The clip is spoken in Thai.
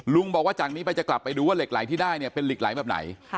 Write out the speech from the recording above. บอกว่าจากนี้ไปจะกลับไปดูว่าเหล็กไหลที่ได้เนี่ยเป็นเหล็กไหลแบบไหน